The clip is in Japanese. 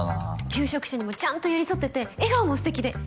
求職者にもちゃんと寄り添ってて笑顔もすてきで。